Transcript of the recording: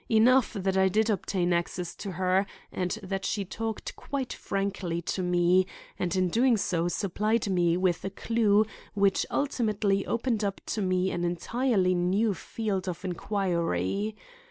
Enough that I did obtain access to her and that she talked quite frankly to me, and in so doing supplied me with a clue which ultimately opened up to me an entirely new field of inquiry.